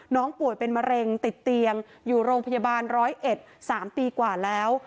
น้องป่วยเป็นมะเร็งติดเตียงอยู่โรงพยาบาลร้อยเอ็ด๓ปีกว่าแล้ว